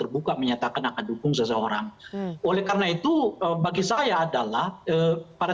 terbuka menyatakan akan dukung seseorang bye karena itu mengenai tentang ada apa